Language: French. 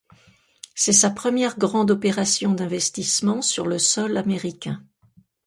C'est sa première grande opération d'investissement sur le sol américain.